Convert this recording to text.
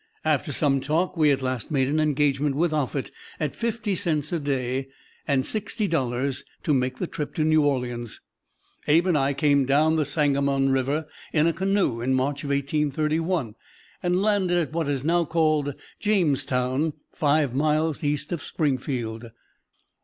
After some talk we at last made an engagement with Offutt at fifty cents a day and sixty dollars to make the trip to New Orleans. Abe and I came down the Sangamon River in a canoe in March, 1831, and landed at what is now called Jamestown, five miles east of Springfield."